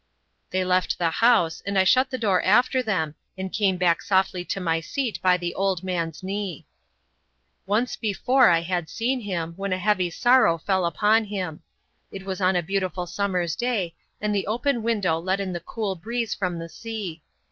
They left the house, and I shut the door after them, and came back softly to my seat by the old man's knee. Once before I had seen him, when a heavy sorrow fell upon him. It was on a beautiful summer's day, and the open window let in the cool breeze from the sea.